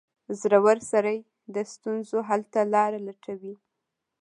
• زړور سړی د ستونزو حل ته لاره لټوي.